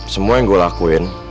semua yang gue lakuin